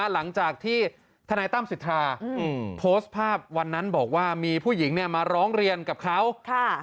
หลังจากที่ทนายตั้มสิทธาโพสต์ภาพวันนั้นบอกว่ามีผู้หญิงเนี่ยมาร้องเรียนกับเขาค่ะ